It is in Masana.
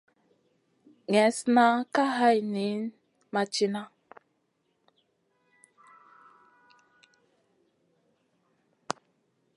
Neslna ka hay niyn ma tìna.